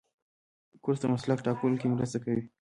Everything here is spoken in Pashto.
کورس د مسلک ټاکلو کې مرسته کوي.